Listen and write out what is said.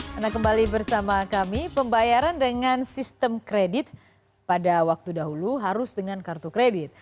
karena kembali bersama kami pembayaran dengan sistem kredit pada waktu dahulu harus dengan kartu kredit